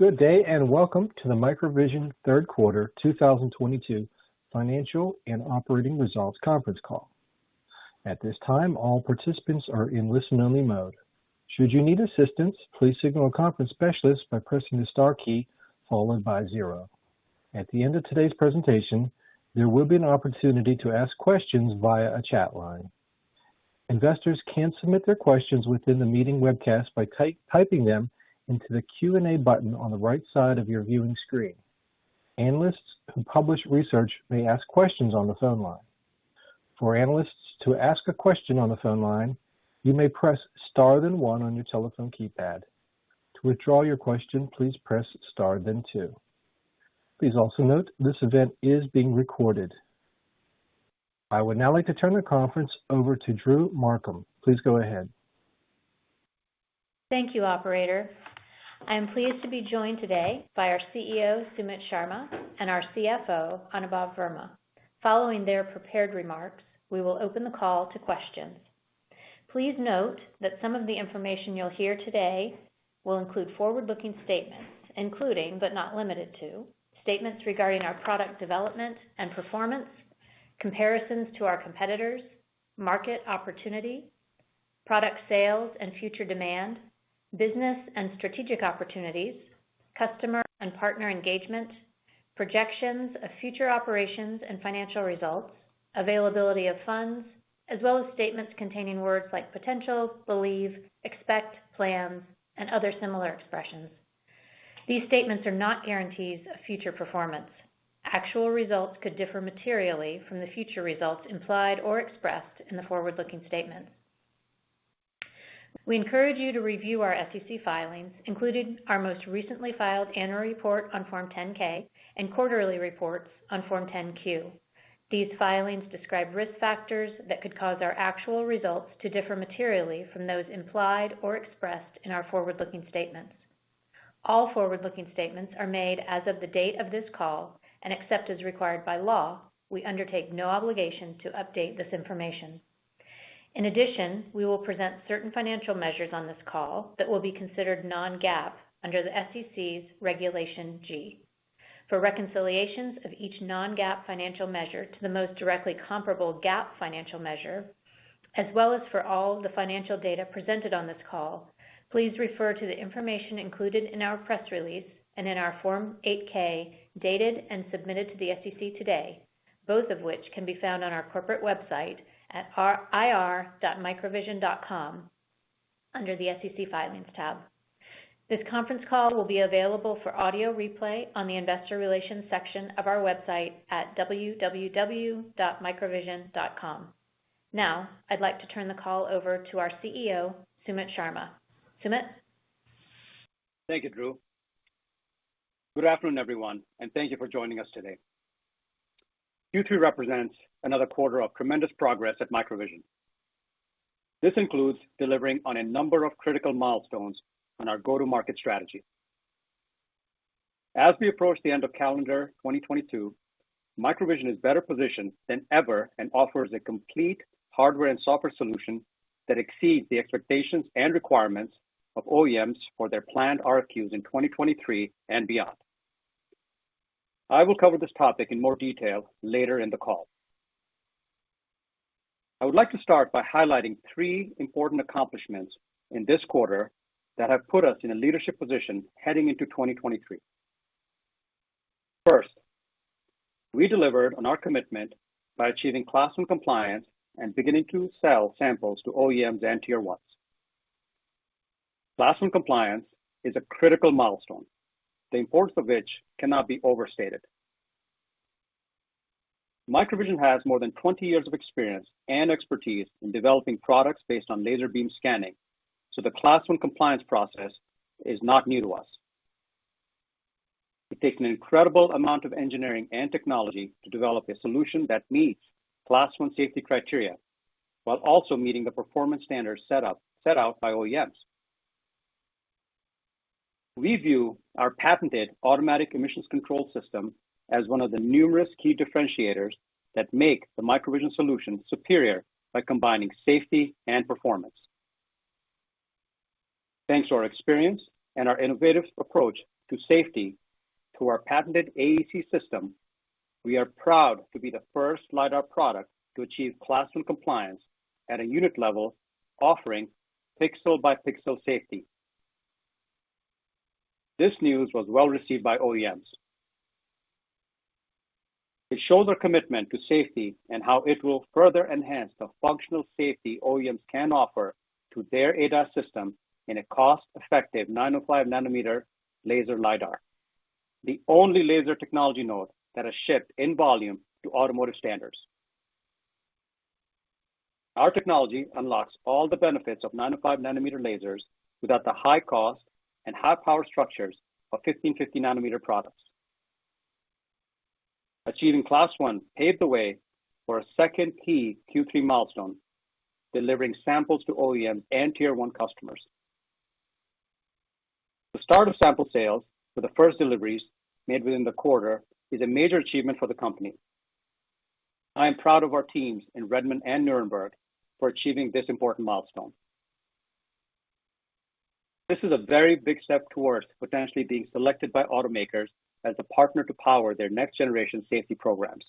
Good day, and welcome to the MicroVision third quarter 2022 financial and operating results conference call. At this time, all participants are in listen-only mode. Should you need assistance, please signal a conference specialist by pressing the star key followed by zero. At the end of today's presentation, there will be an opportunity to ask questions via a chat line. Investors can submit their questions within the meeting webcast by typing them into the Q&A button on the right side of your viewing screen. Analysts who publish research may ask questions on the phone line. For analysts to ask a question on the phone line, you may press star then one on your telephone keypad. To withdraw your question, please press star then two. Please also note this event is being recorded. I would now like to turn the conference over to Drew Markham. Please go ahead. Thank you, operator. I am pleased to be joined today by our CEO, Sumit Sharma, and our CFO, Anubhav Verma. Following their prepared remarks, we will open the call to questions. Please note that some of the information you'll hear today will include forward-looking statements, including, but not limited to, statements regarding our product development and performance, comparisons to our competitors, market opportunity, product sales and future demand, business and strategic opportunities, customer and partner engagement, projections of future operations and financial results, and availability of funds, as well as statements containing words like potential, believe, expect, plans, and other similar expressions. These statements are not guarantees of future performance. Actual results could differ materially from the future results implied or expressed in the forward-looking statements. We encourage you to review our SEC filings, including our most recently filed annual report on Form 10-K and quarterly reports on Form 10-Q. These filings describe risk factors that could cause our actual results to differ materially from those implied or expressed in our forward-looking statements. All forward-looking statements are made as of the date of this call, and except as required by law, we undertake no obligation to update this information. In addition, we will present certain financial measures on this call that will be considered non-GAAP under the SEC's Regulation G. For reconciliations of each non-GAAP financial measure to the most directly comparable GAAP financial measure, as well as for all the financial data presented on this call, please refer to the information included in our press release and in our Form 8-K dated and submitted to the SEC today, both of which can be found on our corporate website at ir.microvision.com under the SEC Filings tab. This conference call will be available for audio replay on the investor relations section of our website at www.microvision.com. Now, I'd like to turn the call over to our CEO, Sumit Sharma. Sumit. Thank you, Drew. Good afternoon, everyone, and thank you for joining us today. Q3 represents another quarter of tremendous progress at MicroVision. This includes delivering on a number of critical milestones in our go-to-market strategy. As we approach the end of calendar 2022, MicroVision is better positioned than ever and offers a complete hardware and software solution that exceeds the expectations and requirements of OEMs for their planned RFQs in 2023 and beyond. I will cover this topic in more detail later in the call. I would like to start by highlighting three important accomplishments this quarter that have put us in a leadership position heading into 2023. First, we delivered on our commitment by achieving Class 1 compliance and beginning to sell samples to OEMs and Tier 1s. Class 1 compliance is a critical milestone, the importance of which cannot be overstated. MicroVision has more than 20 years of experience and expertise in developing products based on laser beam scanning, so the Class 1 compliance process is not new to us. It takes an incredible amount of engineering and technology to develop a solution that meets Class 1 safety criteria while also meeting the performance standards set out by OEMs. We view our patented automatic emissions control system as one of the numerous key differentiators that make the MicroVision solution superior by combining safety and performance. Thanks to our experience and our innovative approach to safety through our patented AEC system, we are proud to be the first LiDAR product to achieve Class 1 compliance at a unit level, offering pixel-by-pixel safety. This news was well received by OEMs. It shows our commitment to safety and how it will further enhance the functional safety OEMs can offer for their ADAS system in a cost-effective 905 nanometer laser LiDAR, the only laser technology node that has shipped in volume to automotive standards. Our technology unlocks all the benefits of 905 nanometer lasers without the high cost and high power structures of 1550 nanometer products. Achieving Class 1 paved the way for a second key Q3 milestone: delivering samples to OEMs and Tier 1 customers. The start of sample sales for the first deliveries made within the quarter is a major achievement for the company. I am proud of our teams in Redmond and Nuremberg for achieving this important milestone. This is a very big step towards potentially being selected by automakers as a partner to power their next generation safety programs.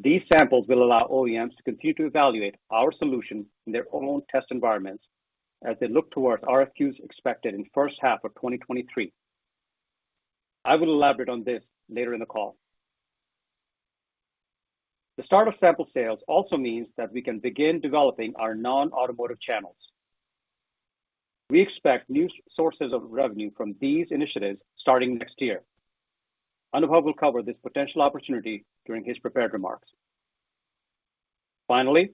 These samples will allow OEMs to continue to evaluate our solutions in their own test environments as they look toward RFQs expected in the first half of 2023. I will elaborate on this later in the call. The start of sample sales also means that we can begin developing our non-automotive channels. We expect new sources of revenue from these initiatives starting next year. Anubhav will cover this potential opportunity during his prepared remarks. Finally,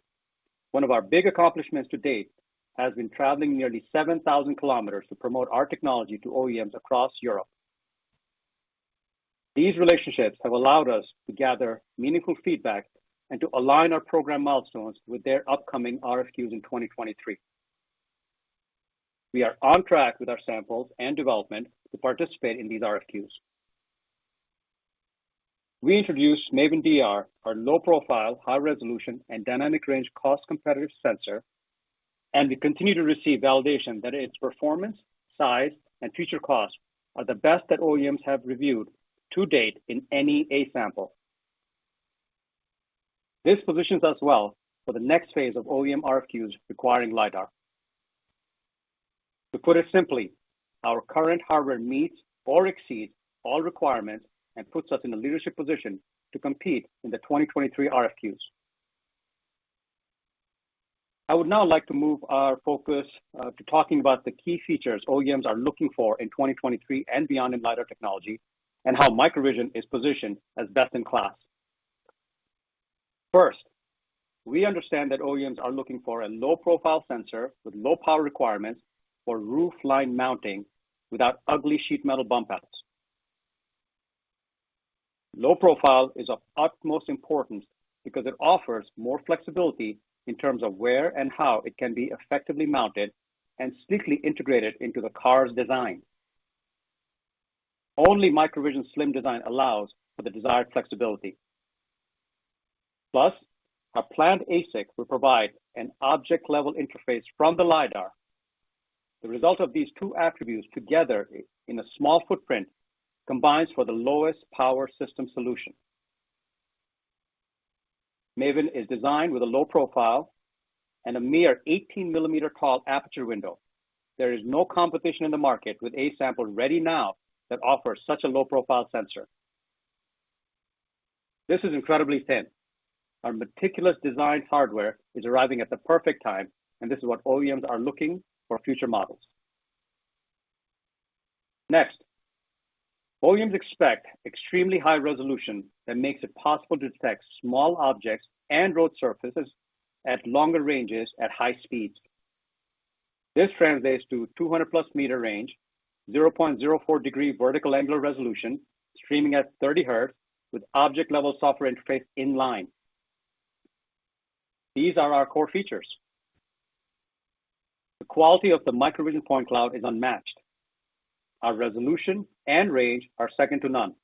one of our big accomplishments to date has been traveling nearly 7,000 kilometers to promote our technology to OEMs across Europe. These relationships have allowed us to gather meaningful feedback and to align our program milestones with their upcoming RFQs in 2023. We are on track with our samples and development to participate in these RFQs. We introduced MAVIN DR, our low-profile, high-resolution, and dynamic-range, cost-competitive sensor, and we continue to receive validation that its performance, size, and future costs are the best that OEMs have reviewed to date in any A-sample. This positions us well for the next phase of OEM RFQs requiring LiDAR. To put it simply, our current hardware meets or exceeds all requirements and puts us in a leadership position to compete in the 2023 RFQs. I would now like to move our focus to talking about the key features OEMs are looking for in 2023 and beyond in LiDAR technology, and how MicroVision is positioned as best in class. First, we understand that OEMs are looking for a low-profile sensor with low power requirements for roofline mounting without ugly sheet metal bump-outs. Low profile is of utmost importance because it offers more flexibility in terms of where and how it can be effectively mounted and sleekly integrated into the car's design. Only MicroVision's slim design allows for the desired flexibility. Plus, our planned ASIC will provide an object-level interface from the LiDAR. The result of these two attributes together in a small footprint combines to create the lowest power system solution. MAVIN is designed with a low profile and a mere 18-millimeter-tall aperture window. There is no competition in the market with A-samples ready now that offers such a low-profile sensor. This is incredibly thin. Our meticulously designed hardware is arriving at the perfect time, and this is what OEMs are looking for in future models. Next, OEMs expect extremely high resolution that makes it possible to detect small objects and road surfaces at longer ranges at high speeds. This translates to a 200+ meter range, 0.04 degree vertical angular resolution, streaming at 30 hertz with an object-level software interface in line. These are our core features. The quality of the MicroVision point cloud is unmatched. Our resolution and range are second to none.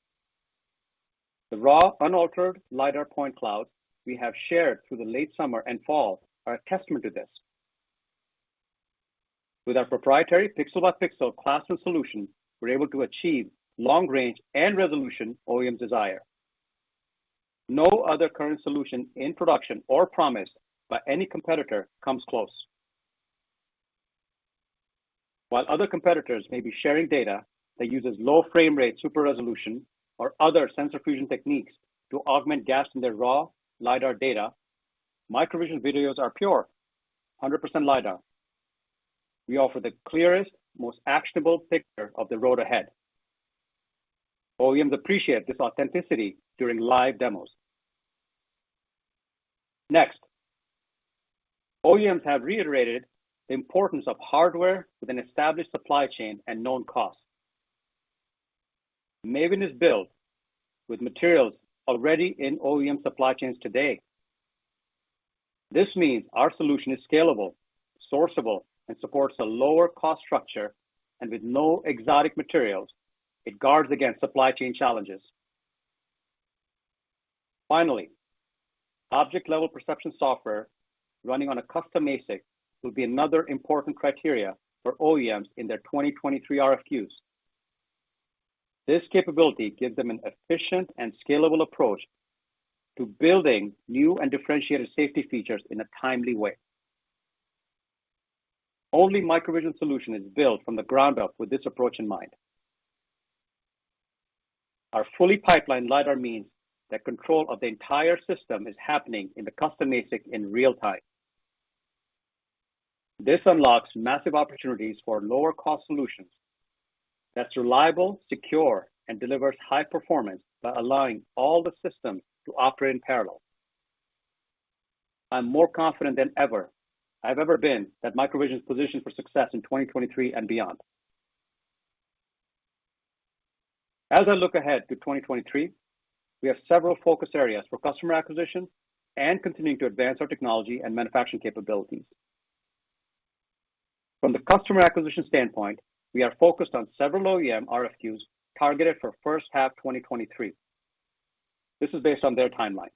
The raw, unaltered LiDAR point cloud we have shared through the late summer and fall is a testament to this. With our proprietary pixel-by-pixel classification solution, we're able to achieve the long range and resolution OEMs desire. No other current solution in production or promised by any competitor comes close. While other competitors may be sharing data that uses low frame rate super resolution or other sensor fusion techniques to augment gaps in their raw LiDAR data, MicroVision videos are pure: 100% LiDAR. We offer the clearest, most actionable picture of the road ahead. OEMs appreciate this authenticity during live demos. Next, OEMs have reiterated the importance of hardware with an established supply chain and known cost. MAVIN is built with materials already in OEM supply chains today. This means our solution is scalable, sourceable, and supports a lower cost structure. With no exotic materials, it guards against supply chain challenges. Finally, object-level perception software running on a custom ASIC will be another important criterion for OEMs in their 2023 RFQs. This capability gives them an efficient and scalable approach to building new and differentiated safety features in a timely way. Only MicroVision's solution is built from the ground up with this approach in mind. Our fully pipelined LiDAR means that control of the entire system is happening in the custom ASIC in real time. This unlocks massive opportunities for lower-cost solutions that are reliable, secure, and deliver high performance by allowing all the systems to operate in parallel. I'm more confident than I've ever been that MicroVision is positioned for success in 2023 and beyond. As I look ahead to 2023, we have several focus areas for customer acquisition and continuing to advance our technology and manufacturing capabilities. From a customer acquisition standpoint, we are focused on several OEM RFQs targeted for the first half of 2023. This is based on their timeline.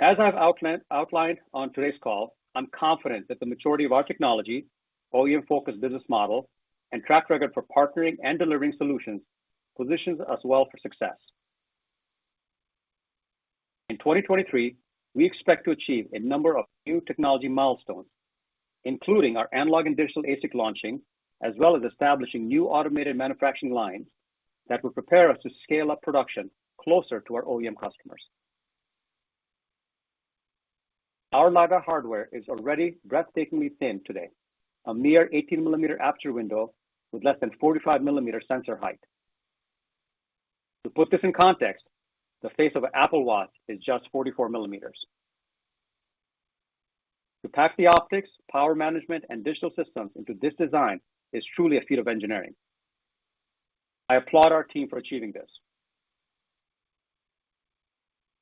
As I've outlined on today's call, I'm confident that the maturity of our technology, OEM-focused business model, and track record for partnering and delivering solutions positions us well for success. In 2023, we expect to achieve a number of new technology milestones, including our analog and digital ASIC launching as well as establishing new automated manufacturing lines that will prepare us to scale up production closer to our OEM customers. Our LiDAR hardware is already breathtakingly thin today. A mere 18-millimeter aperture window with less than 45-millimeter sensor height. To put this in context, the face of the Apple Watch is just 44 millimeters. To pack the optics, power management, and digital systems into this design is truly a feat of engineering. I applaud our team for achieving this.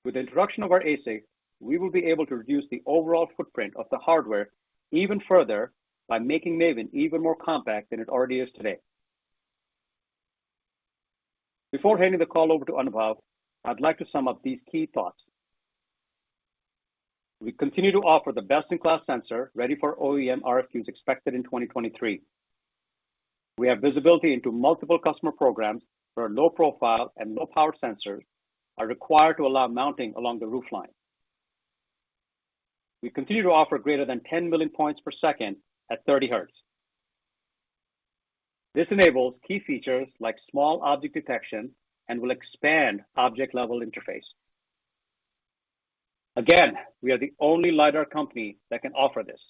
With the introduction of our ASIC, we will be able to reduce the overall footprint of the hardware even further by making MAVIN even more compact than it already is today. Before handing the call over to Anubhav, I'd like to sum up these key thoughts. We continue to offer the best-in-class sensor, ready for OEM RFQs expected in 2023. We have visibility into multiple customer programs where low profile and low power sensors are required to allow mounting along the roofline. We continue to offer greater than 10 million points per second at 30 hertz. This enables key features like small object detection and will expand object-level interface. Again, we are the only LiDAR company that can offer this.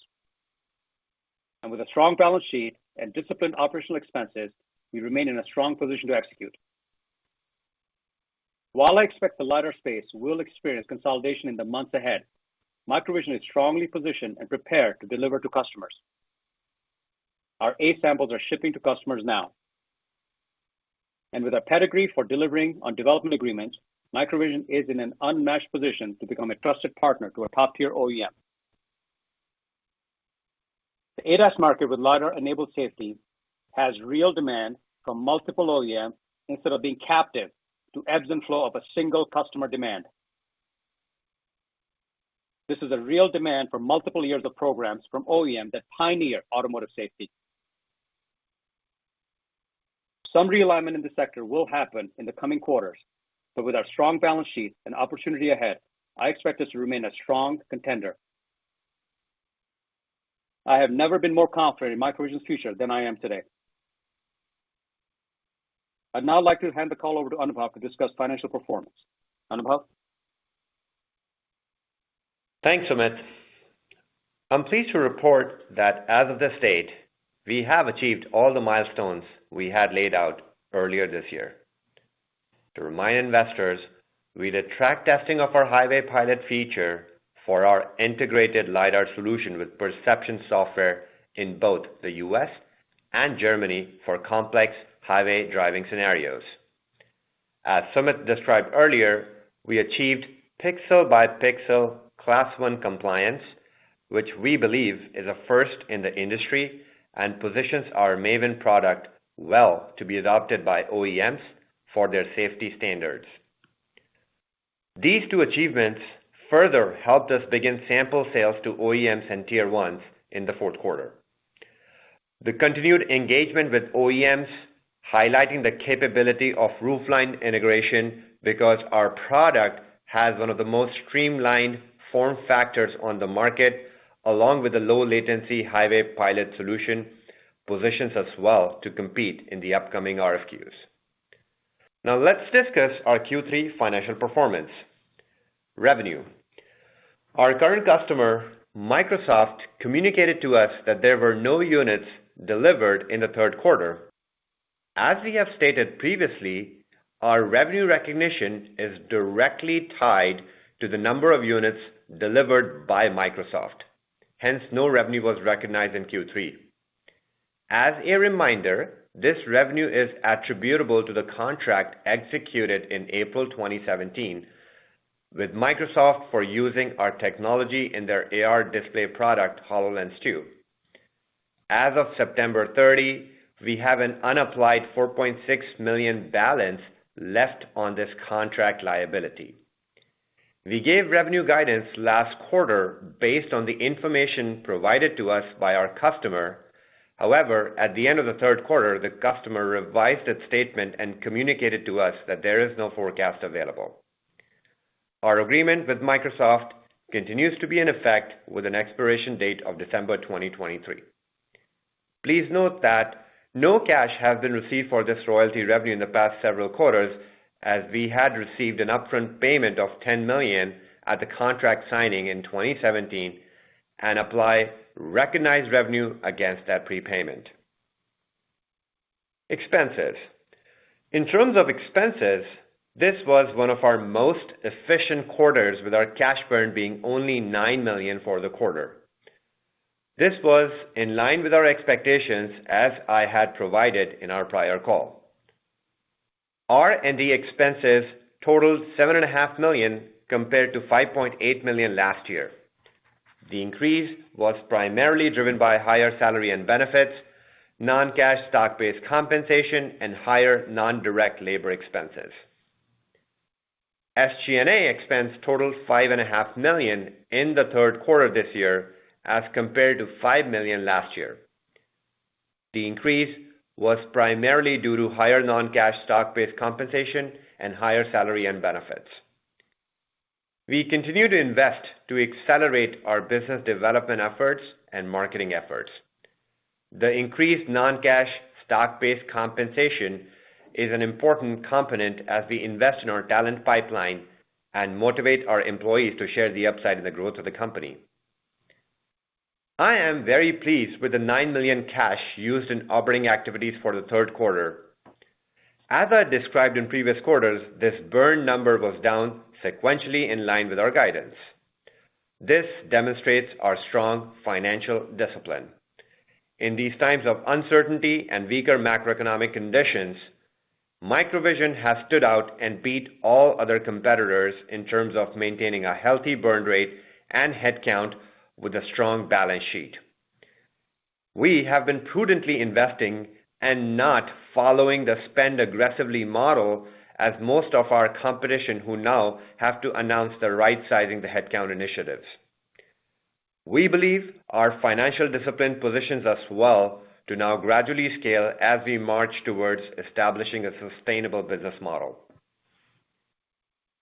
With a strong balance sheet and disciplined operational expenses, we remain in a strong position to execute. While I expect the LiDAR space will experience consolidation in the months ahead, MicroVision is strongly positioned and prepared to deliver to customers. Our A-samples are shipping to customers now. With a pedigree for delivering on development agreements, MicroVision is in an unmatched position to become a trusted partner to a top-tier OEM. The ADAS market with LiDAR-enabled safety has real demand from multiple OEMs instead of being captive to the ebbs and flows of a single customer's demand. This is a real demand for multiple years of programs from OEMs that pioneer automotive safety. Some realignment in the sector will happen in the coming quarters, but with our strong balance sheet and the opportunity ahead, I expect us to remain a strong contender. I have never been more confident in MicroVision's future than I am today. I'd now like to hand the call over to Anubhav to discuss financial performance. Anubhav? Thanks, Sumit. I'm pleased to report that as of this date, we have achieved all the milestones we had laid out earlier this year. To remind investors, we did track testing of our Highway Pilot feature for our integrated LiDAR solution with perception software in both the U.S. and Germany for complex highway driving scenarios. As Sumit described earlier, we achieved pixel-by-pixel Class 1 compliance, which we believe is a first in the industry and positions our MAVIN product well to be adopted by OEMs for their safety standards. These two achievements further helped us begin sample sales to OEMs and Tier 1s in the fourth quarter. The continued engagement with OEMs, highlighting the capability of roofline integration because our product has one of the most streamlined form factors on the market, along with the low-latency Highway Pilot solution, positions us well to compete in the upcoming RFQs. Now let's discuss our Q3 financial performance. Revenue: Our current customer, Microsoft, communicated to us that there were no units delivered in the third quarter. As we have stated previously, our revenue recognition is directly tied to the number of units delivered by Microsoft. Hence, no revenue was recognized in Q3. As a reminder, this revenue is attributable to the contract executed in April 2017 with Microsoft for using our technology in their AR display product, HoloLens 2. As of September 30, we have an unapplied $4.6 million balance left on this contract liability. We gave revenue guidance last quarter based on the information provided to us by our customer. However, at the end of the third quarter, the customer revised its statement and communicated to us that there is no forecast available. Our agreement with Microsoft continues to be in effect, with an expiration date of December 2023. Please note that no cash has been received for this royalty revenue in the past several quarters, as we had received an upfront payment of $10 million at the contract signing in 2017 and apply recognized revenue against that prepayment. In terms of expenses, this was one of our most efficient quarters, with our cash burn being only $9 million for the quarter. This was in line with our expectations, as I had provided in our prior call. R&D expenses totaled $7.5 million compared to $5.8 million last year. The increase was primarily driven by higher salary and benefits, non-cash stock-based compensation, and higher non-direct labor expenses. SG&A expense totaled $5.5 million in the third quarter this year, compared to $5 million last year. The increase was primarily due to higher non-cash stock-based compensation and higher salary and benefits. We continue to invest to accelerate our business development and marketing efforts. The increased non-cash stock-based compensation is an important component as we invest in our talent pipeline and motivate our employees to share in the upside of the company's growth. I am very pleased with the $9 million cash used in operating activities for the third quarter. As I described in previous quarters, this burn number was down sequentially, in line with our guidance. This demonstrates our strong financial discipline. In these times of uncertainty and weaker macroeconomic conditions, MicroVision has stood out and beaten all other competitors in terms of maintaining a healthy burn rate and headcount with a strong balance sheet. We have been prudently investing and not following the "spend aggressively" model like most of our competition, who now have to announce initiatives to right-size their headcount. We believe our financial discipline positions us well to gradually scale as we march towards establishing a sustainable business model.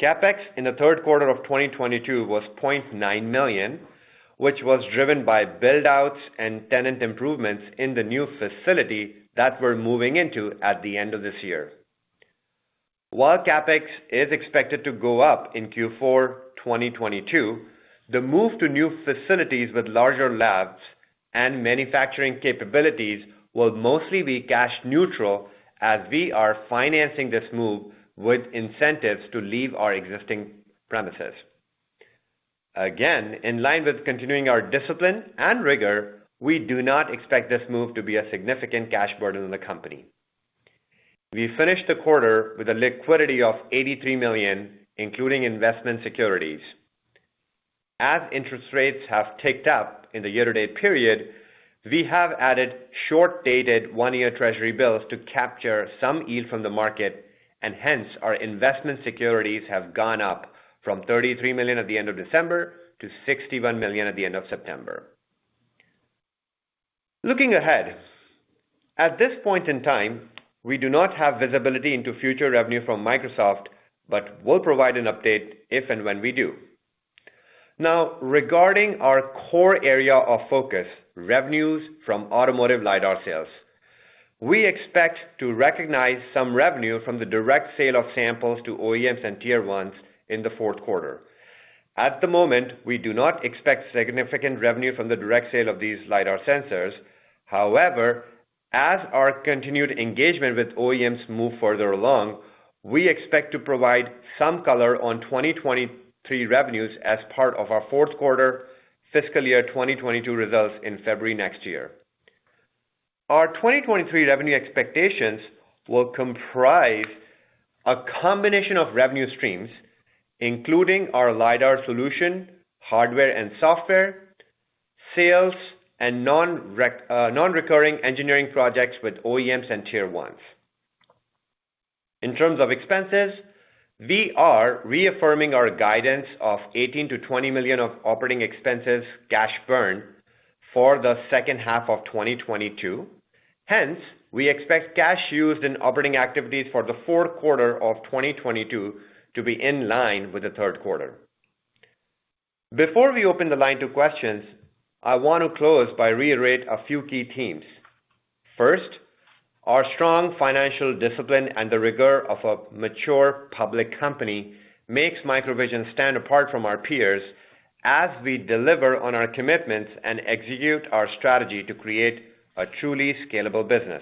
CapEx in the third quarter of 2022 was $0.9 million, which was driven by build-outs and tenant improvements in the new facility that we're moving into at the end of this year. While CapEx is expected to go up in Q4 2022, the move to new facilities with larger labs and manufacturing capabilities will mostly be cash neutral as we are financing this move with incentives to leave our existing premises. Again, in line with continuing our discipline and rigor, we do not expect this move to be a significant cash burden on the company. We finished the quarter with liquidity of $83 million, including investment securities. As interest rates have ticked up in the year-to-date period, we have added short-dated one-year treasury bills to capture some yield from the market. Hence, our investment securities have gone up from $33 million at the end of December to $61 million at the end of September. Looking ahead, at this point in time, we do not have visibility into future revenue from Microsoft, but we'll provide an update if and when we do. Now, regarding our core area of focus, revenues from automotive LiDAR sales, we expect to recognize some revenue from the direct sale of samples to OEMs and Tier 1s in the fourth quarter. At the moment, we do not expect significant revenue from the direct sale of these LiDAR sensors. However, as our continued engagement with OEMs moves further along, we expect to provide some color on 2023 revenues as part of our fourth quarter fiscal year 2022 results in February next year. Our 2023 revenue expectations will comprise a combination of revenue streams, including our LiDAR solution, hardware and software sales, and non-recurring engineering projects with OEMs and Tier 1s. In terms of expenses, we are reaffirming our guidance of $18 million-$20 million of operating expenses cash burn for the second half of 2022. Hence, we expect cash used in operating activities for the fourth quarter of 2022 to be in line with the third quarter. Before we open the line to questions, I want to close by reiterating a few key themes. First, our strong financial discipline and the rigor of a mature public company make MicroVision stand apart from our peers as we deliver on our commitments and execute our strategy to create a truly scalable business.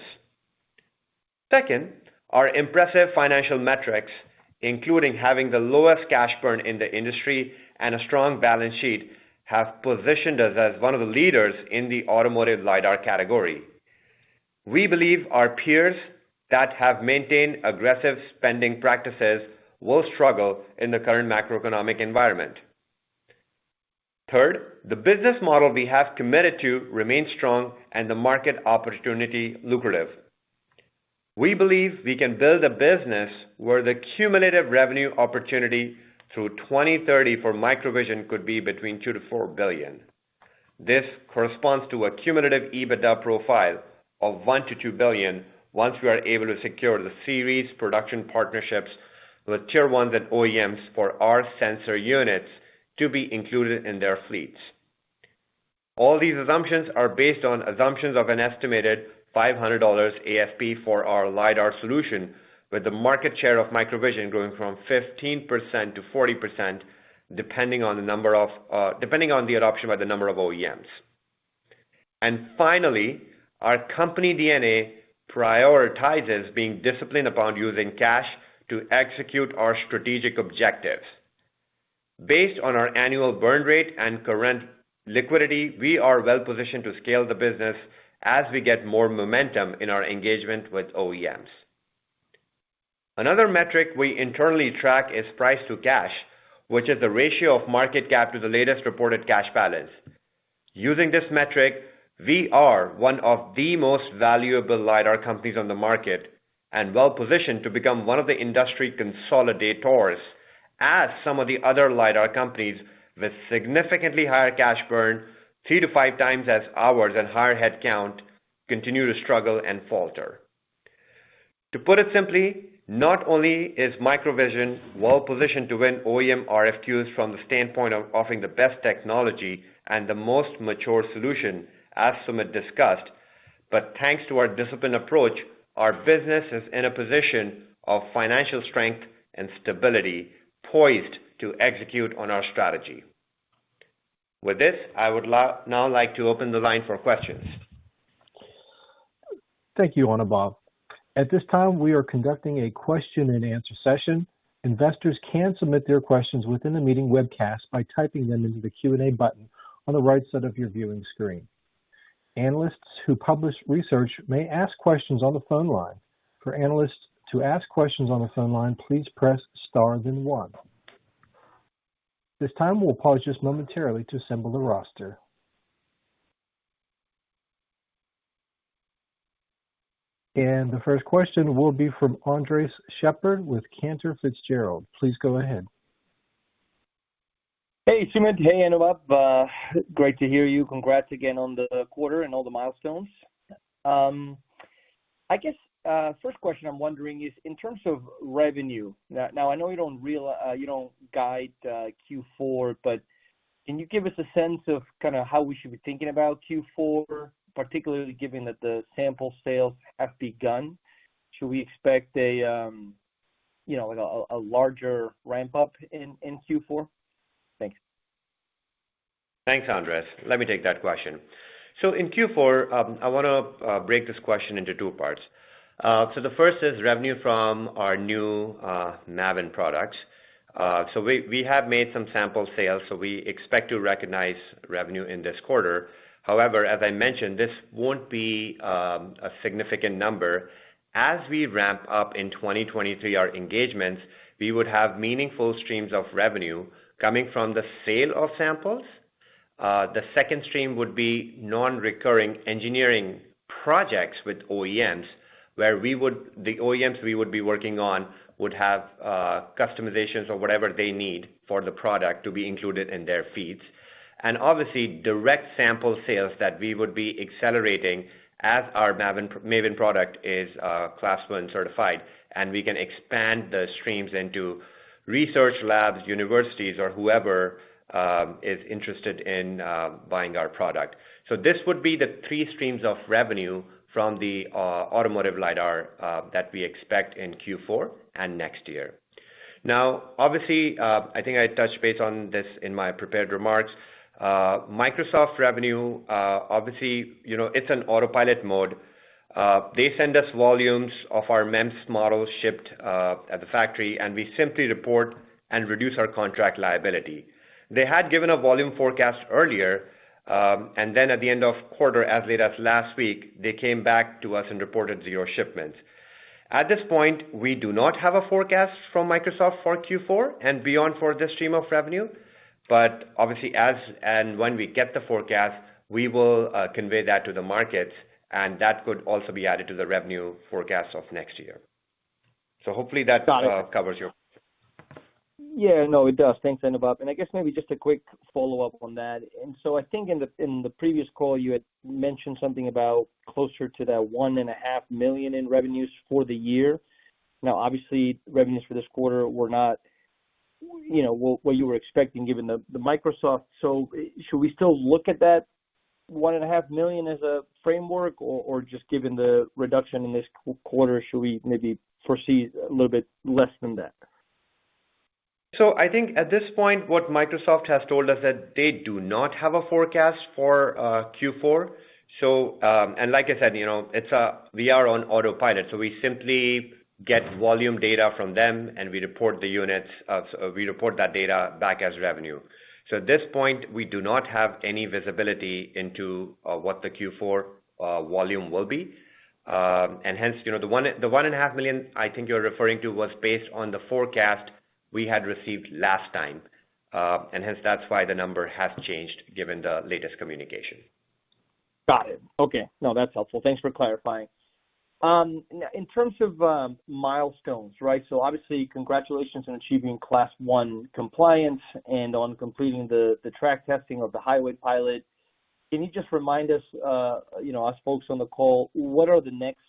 Second, our impressive financial metrics, including having the lowest cash burn in the industry and a strong balance sheet, have positioned us as one of the leaders in the automotive LiDAR category. We believe our peers that have maintained aggressive spending practices will struggle in the current macroeconomic environment. Third, the business model we have committed to remains strong and the market opportunity lucrative. We believe we can build a business where the cumulative revenue opportunity through 2030 for MicroVision could be between $2-$4 billion. This corresponds to a cumulative EBITDA profile of $1-$2 billion once we are able to secure series production partnerships with Tier 1s and OEMs for our sensor units to be included in their fleets. All these assumptions are based on an estimated $500 ASP for our LiDAR solution, with MicroVision's market share growing from 15%-40%, depending on the adoption by the number of OEMs. Finally, our company DNA prioritizes being disciplined about using cash to execute our strategic objectives. Based on our annual burn rate and current liquidity, we are well-positioned to scale the business as we gain more momentum in our engagement with OEMs. Another metric we internally track is price-to-cash, which is the ratio of market cap to the latest reported cash balance. Using this metric, we are one of the most valuable LiDAR companies on the market and well-positioned to become one of the industry consolidators as some of the other LiDAR companies with significantly higher cash burn (3-5 times ours) and higher headcount continue to struggle and falter. To put it simply, not only is MicroVision well-positioned to win OEM RFQs from the standpoint of offering the best technology and the most mature solution, as Sumit discussed, but thanks to our disciplined approach, our business is in a position of financial strength and stability, poised to execute on our strategy. With this, I would like to open the line for questions. Thank you, Anubhav. At this time, we are conducting a question and answer session. Investors can submit their questions within the meeting webcast by typing them into the Q&A button on the right side of your viewing screen. Analysts who publish research may ask questions on the phone line. For analysts to ask questions on the phone line, please press star, then one. At this time, we'll pause just momentarily to assemble the roster. The first question will be from Andres Sheppard with Cantor Fitzgerald. Please go ahead. Hey, Sumit. Hey, Anubhav. Great to hear from you. Congrats again on the quarter and all the milestones. My first question is about revenue. Now, I know you don't guide Q4, but can you give us a sense of how we should be thinking about Q4, particularly given that the sample sales have begun? Should we expect a larger ramp-up in Q4? Thanks. Thanks, Andres. Let me take that question. For Q4, I want to break this question into two parts. The first is revenue from our new MAVIN products. We have made some sample sales, so we expect to recognize revenue this quarter. However, as I mentioned, this won't be a significant number. As we ramp up our engagements in 2023, we will have meaningful streams of revenue coming from the sale of samples. The second stream would be non-recurring engineering projects with OEMs, where we would be working with the OEMs on customizations or whatever they need for the product to be included in their feeds. Obviously, direct sample sales would be accelerating as our MAVIN product is Class 1 certified, and we can expand the streams into research labs, universities, or whoever is interested in buying our product. These would be the three streams of revenue from the automotive LiDAR that we expect in Q4 and next year. Now, obviously, I think I touched base on this in my prepared remarks. Microsoft revenue, obviously, you know, is in autopilot mode. They send us volumes of our MEMS models shipped at the factory, and we simply report and reduce our contract liability. They had given a volume forecast earlier, and then at the end of the quarter, as late as last week, they came back to us and reported zero shipments. At this point, we do not have a forecast from Microsoft for Q4 and beyond for this stream of revenue. Obviously, as and when we get the forecast, we will convey that to the market, and that could also be added to the revenue forecast of next year. Hopefully, that covers your— Got it. Yeah, no, it does. Thanks, Anubhav. I guess maybe just a quick follow-up on that. I think in the previous call, you had mentioned something about closer to that $1.5 million in revenue for the year. Now, obviously, revenue for this quarter was not, you know, what you were expecting, given Microsoft. Should we still look at that $1.5 million as a framework, or just given the reduction in this quarter, should we maybe foresee a little bit less than that? I think at this point, what Microsoft has told us is that they do not have a forecast for Q4. Like I said, you know, we are on autopilot, so we simply get volume data from them and we report the units. We report that data back as revenue. At this point, we do not have any visibility into what the Q4 volume will be. Hence, you know, the 1.5 million I think you're referring to was based on the forecast we had received last time. Hence, that's why the number has changed given the latest communication. Got it. Okay. No, that's helpful. Thanks for clarifying. In terms of milestones, right? Obviously, congratulations on achieving Class 1 compliance and on completing the track testing of the Highway Pilot. Can you just remind us, us folks on the call, what the next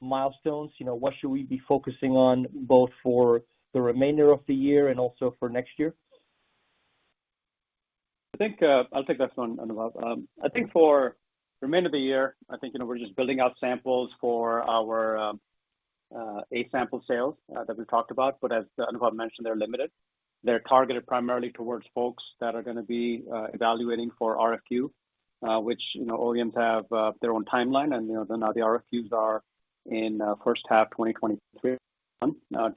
milestones are? What should we be focusing on both for the remainder of the year and also for next year? I think I'll take that one, Anubhav. I think for the remainder of the year, you know, we're just building out samples for our eight sample sales that we talked about, but as Anubhav mentioned, they're limited. They're targeted primarily towards folks that are going to be evaluating for RFQ. Which OEMs have their own timeline, and the RFQs are in the first half of 2023. It's not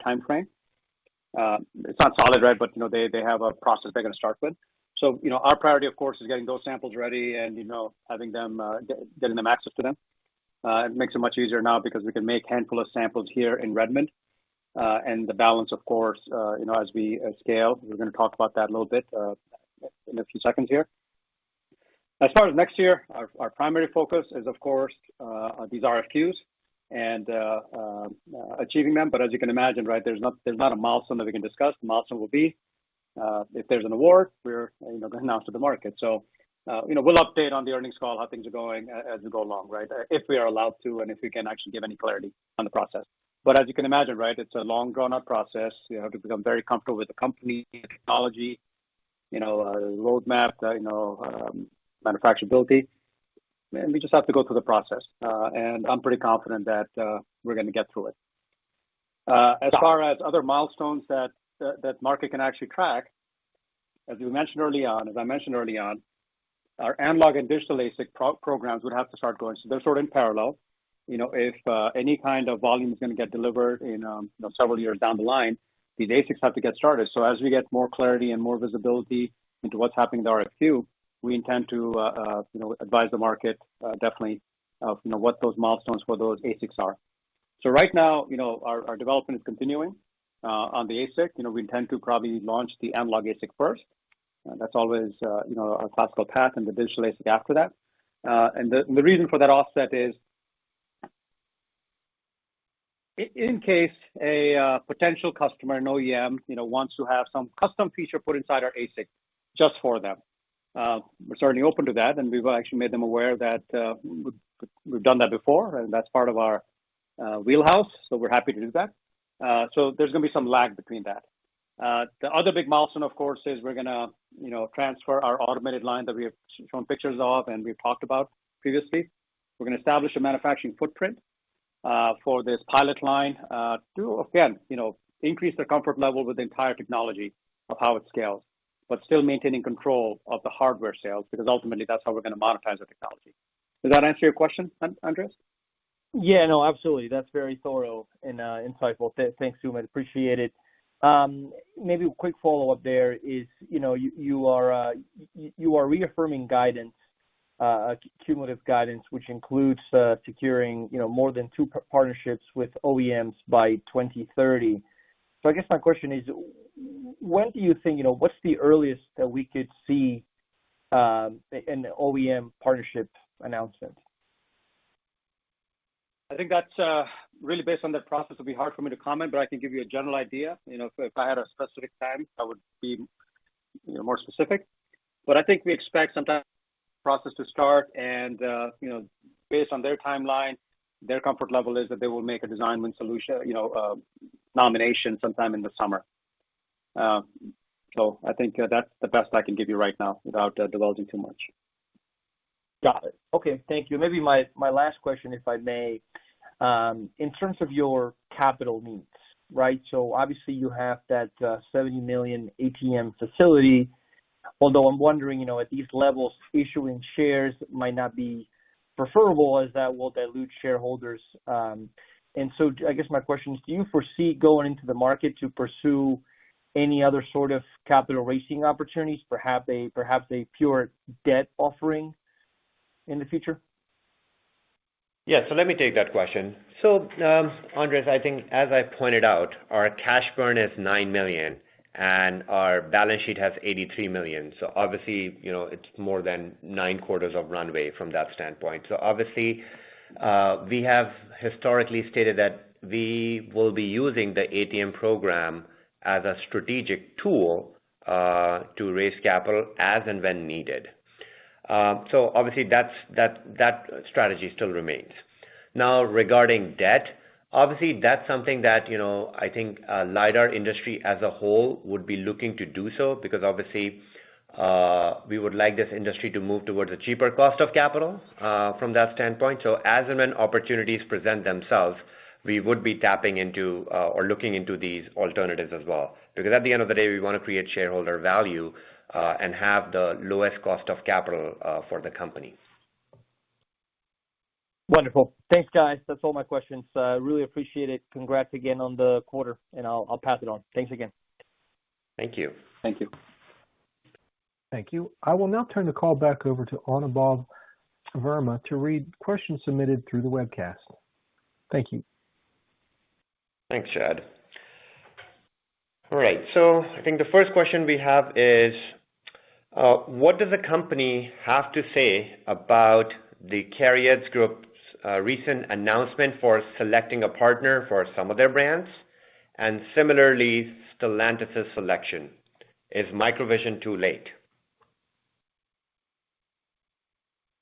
solid, right? They have a process they're going to start with. Our priority, of course, is getting those samples ready and giving them access to them. It makes it much easier now because we can make a handful of samples here in Redmond. The balance, of course, as we scale, we're going to talk about that a little bit in a few seconds here. As far as next year, our primary focus is, of course, these RFQs and achieving them. As you can imagine, right? There's not a milestone that we can discuss. The milestone will be, if there's an award, we're going to announce it to the market. We'll update on the earnings call how things are going as we go along, right? If we are allowed to, and if we can actually give any clarity on the process. As you can imagine, it's a long, drawn-out process to become very comfortable with the company and technology, roadmap, and manufacturability. We just have to go through the process, and I'm pretty confident that we're going to get through it. As far as other milestones that the market can actually track, as I mentioned early on, our analog and digital ASIC programs would have to start going. They're sort of in parallel. If any kind of volume is going to be delivered several years down the line, these ASICs have to get started. As we get more clarity and visibility into what's happening with RFQ, we intend to advise the market definitely of what those milestones for those ASICs are. Right now, our development is continuing on the ASIC. We intend to probably launch the analog ASIC first. That's always our classical path, and the digital ASIC after that. The reason for that offset is in case a potential customer and OEM, you know, wants to have some custom feature put inside our ASIC just for them. We're certainly open to that, and we've actually made them aware that we've done that before and that's part of our wheelhouse, so we're happy to do that. There's going to be some lag between that. The other big milestone, of course, is we're going to, you know, transfer our automated line that we have shown pictures of and we've talked about previously. We're going to establish a manufacturing footprint for this pilot line to again, you know, increase their comfort level with the entire technology of how it scales, but still maintaining control of the hardware sales, because ultimately that's how we're going to monetize the technology. Does that answer your question, Andres? Yeah, no, absolutely. That's very thorough and insightful. Thanks, Sumit. I appreciate it. Maybe a quick follow-up there is, you know, you are reaffirming cumulative guidance, which includes securing more than two partnerships with OEMs by 2030. I guess my question is, what's the earliest we could see an OEM partnership announcement? I think that's really based on that process. It'd be hard for me to comment, but I can give you a general idea. You know, if I had a specific time, I would be, you know, more specific. I think we expect some time for the process to start and, you know, based on their timeline, their comfort level is that they will make a design win solution, you know, nomination sometime in the summer. I think that's the best I can give you right now without divulging too much. Got it. Okay. Thank you. Maybe my last question, if I may. In terms of your capital needs, right? Obviously, you have that $70 million ATM facility, although I'm wondering, you know, at these levels, issuing shares might not be preferable as that will dilute shareholders. I guess my question is, do you foresee going into the market to pursue any other sort of capital-raising opportunities, perhaps a pure debt offering in the future? Yeah. Let me take that question. Andres Sheppard, I think as I pointed out, our cash burn is $9 million, and our balance sheet has $83 million. Obviously, you know, it's more than nine quarters of runway from that standpoint. Obviously, we have historically stated that we will be using the ATM program as a strategic tool to raise capital as and when needed. Obviously, that strategy still remains. Now, regarding debt, obviously that's something that, you know, I think the LiDAR industry as a whole would be looking to do so because obviously, we would like this industry to move towards a cheaper cost of capital from that standpoint. As and when opportunities present themselves, we would be tapping into or looking into these alternatives as well. Because at the end of the day, we want to create shareholder value and have the lowest cost of capital for the company. Wonderful. Thanks, guys. That's all my questions. I really appreciate it. Congrats again on the quarter, and I'll pass it on. Thanks again. Thank you. Thank you. Thank you. I will now turn the call back over to Anubhav Verma to read questions submitted through the webcast. Thank you. Thanks, Chad. All right, I think the first question we have is, what does the company have to say about the Cariad Group's recent announcement for selecting a partner for some of their brands? Similarly, Stellantis' selection. Is MicroVision too late?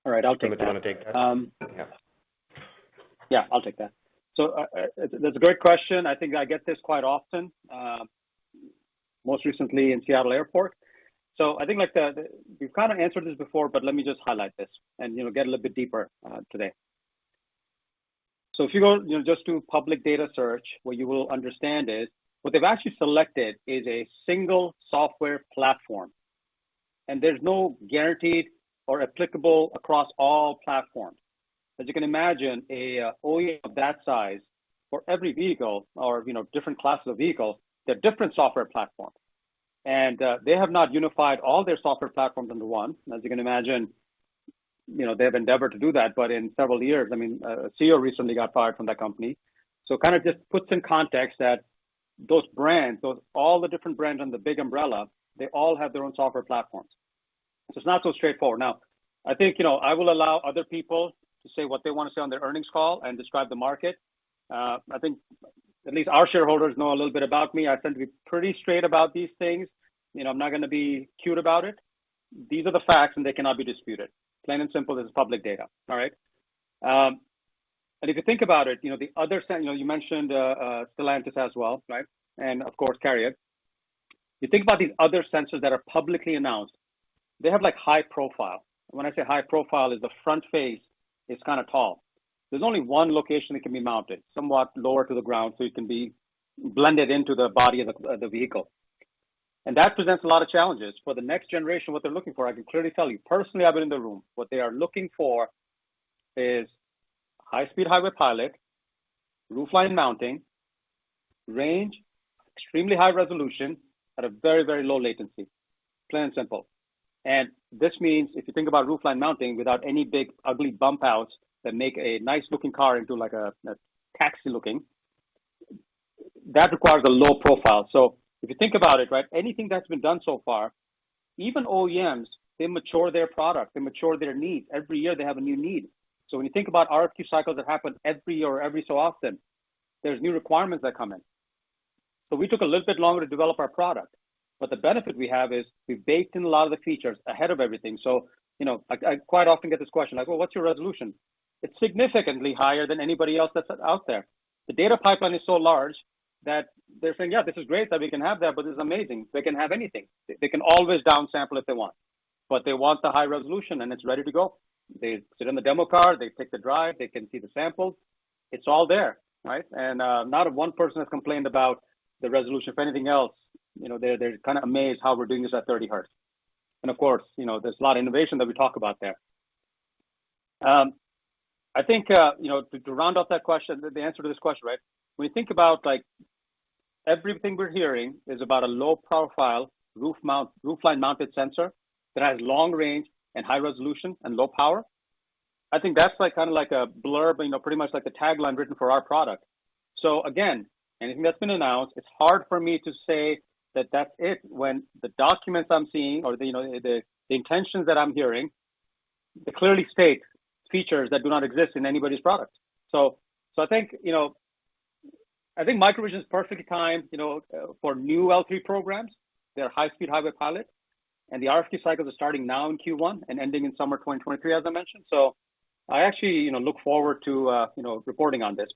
All right. I'll take that. Sumit, do you wanna take that? Um- Yeah. Yeah, I'll take that. That's a great question. I think I get this quite often, most recently in Seattle Airport. I think we've kind of answered this before, but let me just highlight this and, you know, get a little bit deeper today. If you go, you know, just do a public data search, what you will understand is what they've actually selected is a single software platform, and there's no guarantee or applicability across all platforms. As you can imagine, an OEM of that size, for every vehicle or, you know, different classes of vehicles, has different software platforms. They have not unified all their software platforms into one. As you can imagine, you know, they have endeavored to do that, but it will take several years. I mean, a CEO recently got fired from that company. It kind of just puts into context that those brands, so all the different brands under the big umbrella, all have their own software platforms. It's not so straightforward. Now, I think, you know, I will allow other people to say what they want to say on their earnings call and describe the market. I think at least our shareholders know a little bit about me. I tend to be pretty straightforward about these things. You know, I'm not going to be cute about it. These are the facts, and they cannot be disputed. Plain and simple, this is public data. All right. If you think about it, you know, the other sensors, you know, you mentioned Stellantis as well, right? And of course, Cariad. You think about these other sensors that are publicly announced. They have, like, high profiles. When I say high profile is the front face is kind of tall. There's only one location it can be mounted, somewhat lower to the ground, so it can be blended into the body of the vehicle. That presents a lot of challenges. For the next generation, what they're looking for, I can clearly tell you. Personally, I've been in the room. What they are looking for is high-speed Highway Pilot, roofline mounting, range, extremely high resolution at a very, very low latency. Plain and simple. This means if you think about roofline mounting without any big, ugly bump outs that make a nice looking car into like a taxi looking, that requires a low profile. If you think about it, right? Anything that's been done so far, even OEMs, they mature their product, they mature their needs. Every year they have a new need. When you think about RFQ cycles that happen every year or every so often, there's new requirements that come in. We took a little bit longer to develop our product, but the benefit we have is we've baked in a lot of the features ahead of everything. You know, I quite often get this question like, "Well, what's your resolution?" It's significantly higher than anybody else that's out there. The data pipeline is so large that they're saying, "Yeah, this is great that we can have that, but this is amazing. They can have anything. They can always downsample if they want." But they want the high resolution, and it's ready to go. They sit in the demo car, they take the drive, they can see the samples. It's all there, right? Not one person has complained about the resolution. If anything else, you know, they're kind of amazed at how we're doing this at 30 hertz. Of course, you know, there's a lot of innovation that we talk about there. I think, you know, to round off the answer to this question, right? When you think about, like, everything we're hearing is about a low-profile, roofline-mounted sensor that has long range and high resolution and low power. I think that's kind of like a blurb, you know, pretty much like a tagline written for our product. Again, anything that's been announced, it's hard for me to say that that's it when the documents I'm seeing or the, you know, the intentions that I'm hearing, they clearly state features that do not exist in anybody's product. I think MicroVision is perfectly timed, you know, for new L3 programs, their high-speed Highway Pilot, and the RFQ cycle is starting now in Q1 and ending in summer 2023, as I mentioned. I actually, you know, look forward to, you know, reporting on this.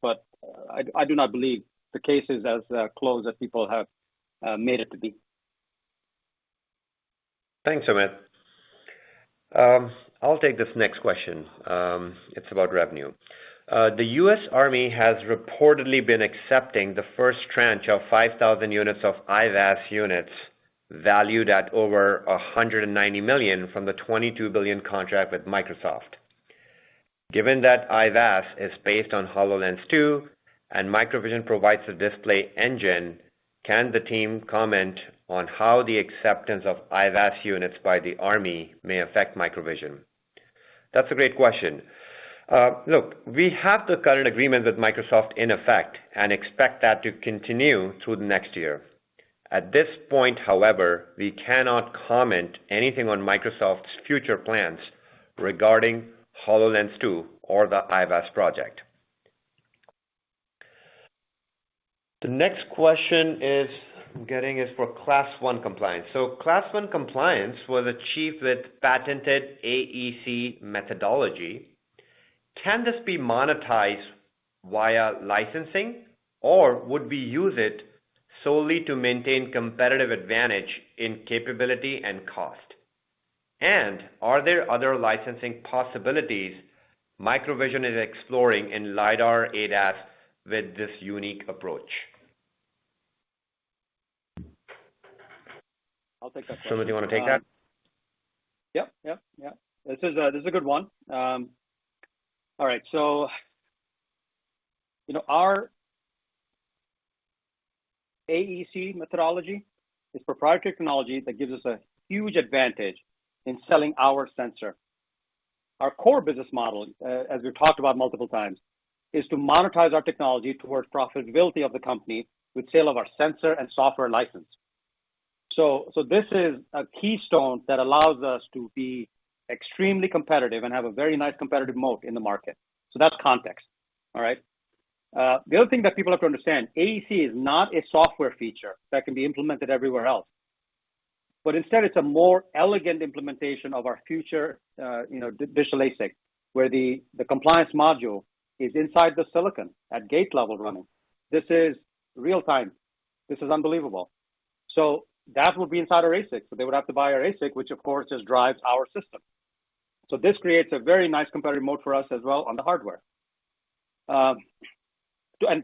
I do not believe the case is as closed as people have made it out to be. Thanks, Sumit. I'll take this next question. It's about revenue. The U.S. Army has reportedly been accepting the first tranche of 5,000 units of IVAS, valued at over $190 million, from the $22 billion contract with Microsoft. Given that IVAS is based on HoloLens 2 and MicroVision provides a display engine, can the team comment on how the acceptance of IVAS units by the Army may affect MicroVision? That's a great question. Look, we have the current agreement with Microsoft in effect and expect that to continue through the next year. At this point, however, we cannot comment on Microsoft's future plans regarding HoloLens 2 or the IVAS project. The next question I'm getting is for Class 1 compliance. Class 1 compliance was achieved with patented AEC methodology. Can this be monetized via licensing, or would we use it solely to maintain a competitive advantage in capability and cost? Are there other licensing possibilities MicroVision is exploring in LiDAR ADAS with this unique approach? I'll take that. Sumit, do you wanna take that? Yeah, this is a good one. All right. You know, our AEC methodology is proprietary technology that gives us a huge advantage in selling our sensor. Our core business model, as we've talked about multiple times, is to monetize our technology towards the profitability of the company with the sale of our sensor and software license. This is a keystone that allows us to be extremely competitive and have a very nice competitive moat in the market. That's context. All right. The other thing that people have to understand, AEC is not a software feature that can be implemented everywhere else, but instead it's a more elegant implementation of our future, you know, digital ASIC, where the compliance module is inside the silicon at gate level running. This is real-time. This is unbelievable. That would be inside our ASIC. They would have to buy our ASIC, which of course just drives our system. This creates a very nice competitive moat for us as well on the hardware. To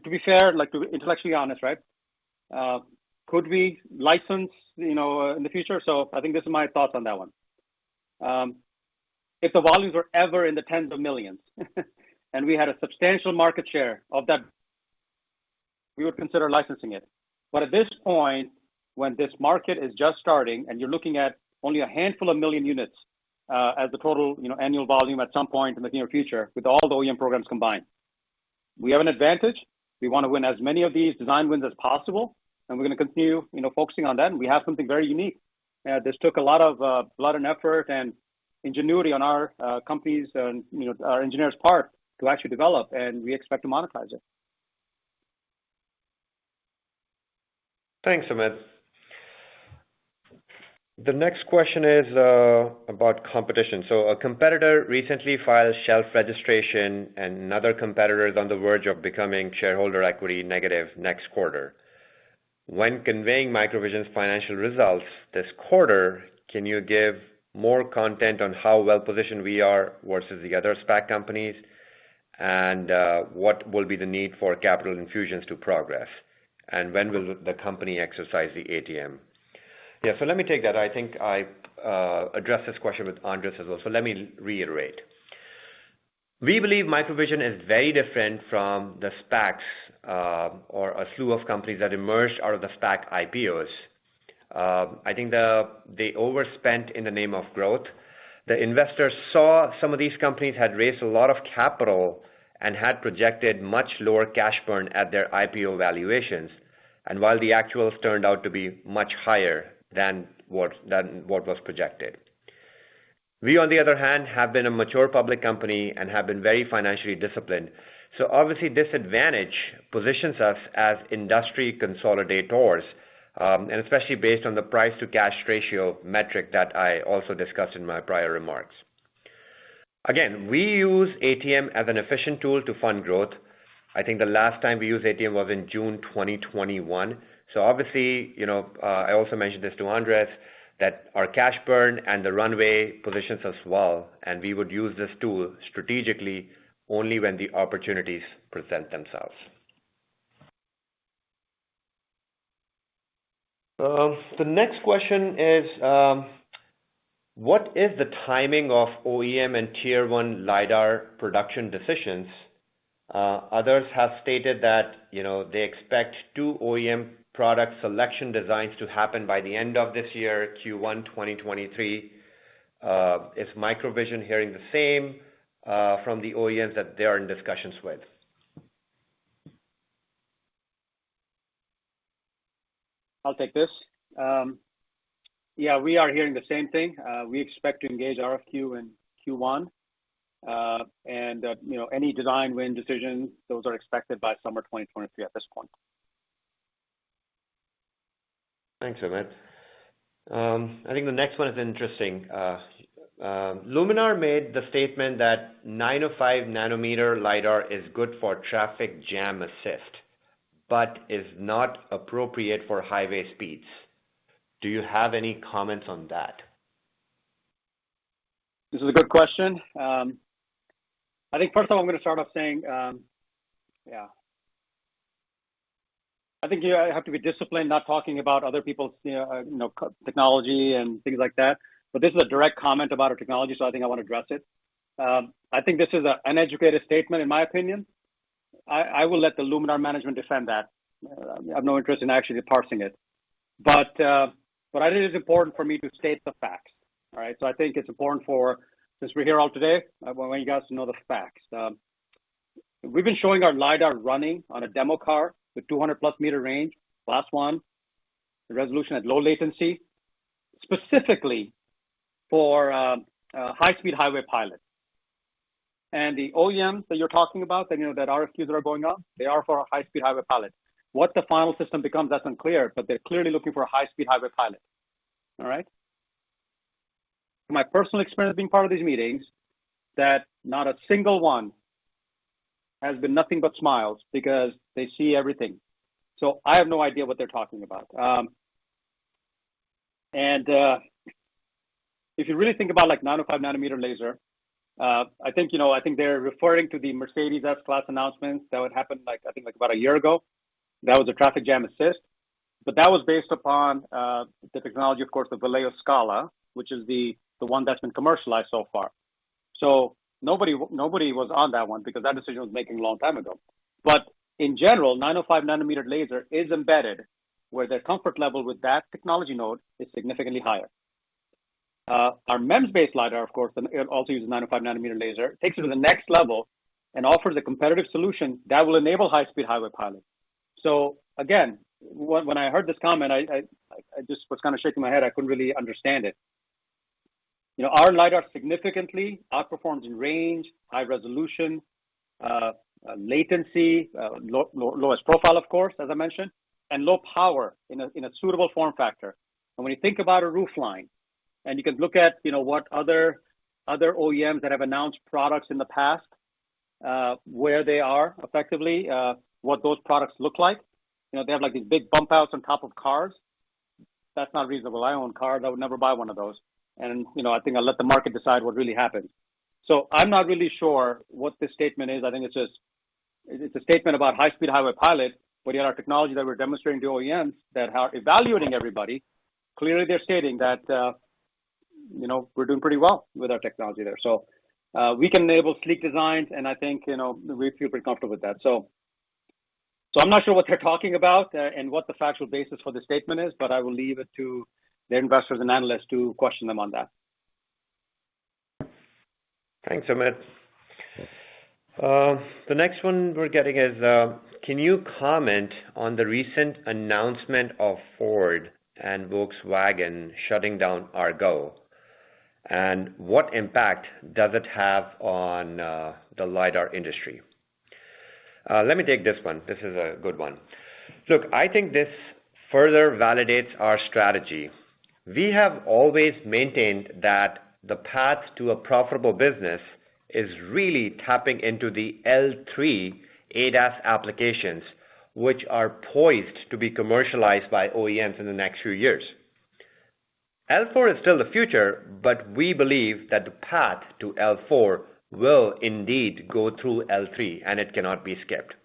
be fair, to be intellectually honest, right? Could we license, you know, in the future? I think these are my thoughts on that one. If the volumes were ever in the tens of millions and we had a substantial market share of that, we would consider licensing it. But at this point, when this market is just starting and you're looking at only a handful of million units as the total, you know, annual volume at some point in the near future with all the OEM programs combined, we have an advantage. We want to win as many of these design wins as possible, and we're going to continue, you know, focusing on that. We have something very unique. This took a lot of blood and effort and ingenuity on our company's and, you know, our engineers' part to actually develop, and we expect to monetize it. Thanks, Sumit. The next question is about competition. A competitor recently filed shelf registration, and another competitor is on the verge of becoming shareholder equity negative next quarter. When conveying MicroVision's financial results this quarter, can you give more context on how well-positioned we are versus the other SPAC companies? And what will be the need for capital infusions to progress? And when will the company exercise the ATM? Yeah. Let me take that. I think I addressed this question with Andres as well, so let me reiterate. We believe MicroVision is very different from the SPACs, or a slew of companies that emerged out of the SPAC IPOs. I think they overspent in the name of growth. The investors saw some of these companies had raised a lot of capital and had projected much lower cash burn at their IPO valuations. While the actuals turned out to be much higher than what was projected, we, on the other hand, have been a mature public company and have been very financially disciplined. Obviously, this advantage positions us as industry consolidators, especially based on the price-to-cash ratio metric that I also discussed in my prior remarks. Again, we use ATM as an efficient tool to fund growth. I think the last time we used ATM was in June 2021. Obviously, I also mentioned this to Andres, that our cash burn and the runway position us well, and we would use this tool strategically only when the opportunities present themselves. The next question is, what is the timing of OEM and Tier 1 LiDAR production decisions? Others have stated that, you know, they expect two OEM product selection designs to happen by the end of this year, Q1 2023. Is MicroVision hearing the same from the OEMs that they are in discussions with? I'll take this. Yeah, we are hearing the same thing. We expect to engage RFQ in Q1. You know, any design win decisions, those are expected by summer 2023 at this point. Thanks, Sumit. I think the next one is interesting. Luminar made the statement that 905-nanometer LiDAR is good for traffic jam assist but is not appropriate for highway speeds. Do you have any comments on that? This is a good question. First of all, I'm going to start by saying I think you have to be disciplined, not talking about other people's technology and things like that. This is a direct comment about our technology, so I want to address it. I think this is an uneducated statement, in my opinion. I will let the Luminar management defend that. I have no interest in actually parsing it. What I think is important is for me to state the facts, all right? I think it's important, since we're all here today, that I want you guys to know the facts. We've been showing our LiDAR running on a demo car with a 200+ meter range, Class 1, and low latency resolution, specifically for high-speed Highway Pilot. The OEMs you're talking about, and the RFQs that are going on, are for a high-speed Highway Pilot. What the final system becomes is unclear, but they're clearly looking for a high-speed Highway Pilot. All right? My personal experience being part of these meetings is that not a single one has been anything but smiles because they see everything. I have no idea what they're talking about. If you really think about a 905-nanometer laser, I think they're referring to the Mercedes S-Class announcements that happened about a year ago. That was a traffic jam assist. That was based upon the technology, of course, the Valeo SCALA, which is the one that's been commercialized so far. Nobody was on that one because that decision was made a long time ago. In general, a 905-nanometer laser is embedded where their comfort level with that technology node is significantly higher. Our MEMS-based LiDAR, of course, and it also uses a 905-nanometer laser, takes it to the next level and offers a competitive solution that will enable high-speed Highway Pilot. Again, when I heard this comment, I just was kind of shaking my head. I couldn't really understand it. You know, our LiDAR significantly outperforms in range, high resolution, latency, lowest profile, of course, as I mentioned, and low power in a suitable form factor. When you think about a roofline, and you can look at what other OEMs have announced products in the past, you'll see what those products effectively look like. They have these big bump-outs on top of cars. That's not reasonable. I own cars. I would never buy one of those. I think I'll let the market decide what really happened. I'm not really sure what the statement is. I think it's just a statement about high-speed Highway Pilot. Yet, our technology that we're demonstrating to OEMs who are evaluating everyone, clearly shows that we're doing pretty well with our technology there. We can enable sleek designs, and I think we feel pretty comfortable with that. I'm not sure what they're talking about or what the factual basis for the statement is, but I will leave it to the investors and analysts to question them on that. Thanks, Sumit. The next one we're getting is, can you comment on the recent announcement of Ford and Volkswagen shutting down Argo AI? And what impact does it have on the LiDAR industry? Let me take this one. This is a good one. Look, I think this further validates our strategy. We have always maintained that the path to a profitable business is really tapping into the L3 ADAS applications, which are poised to be commercialized by OEMs in the next few years. L4 is still the future, but we believe that the path to L4 will indeed go through L3, and it cannot be skipped.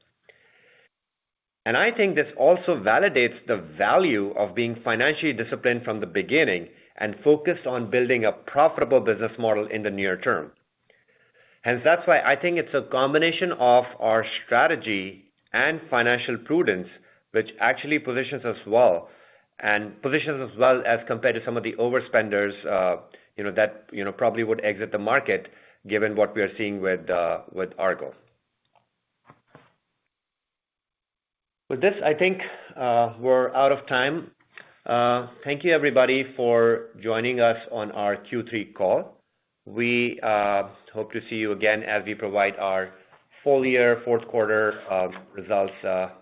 I think this also validates the value of being financially disciplined from the beginning and focused on building a profitable business model in the near term. Hence, that's why I think it's a combination of our strategy and financial prudence, which actually positions us well and positions us well as compared to some of the overspenders, you know, that probably would exit the market, given what we are seeing with Argo AI. With this, I think we're out of time. Thank you everybody for joining us on our Q3 call. We hope to see you again as we provide our full-year fourth-quarter results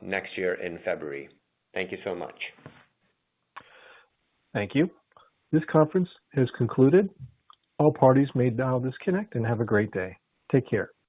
next year in February. Thank you so much. Thank you. This conference has concluded. All parties may now disconnect and have a great day. Take care.